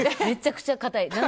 めちゃくちゃかたい。